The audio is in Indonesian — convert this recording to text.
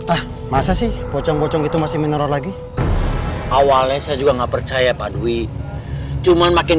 ah masa sih pocong pocong itu masih minor lagi awalnya saya juga nggak percaya pak dwi cuman makin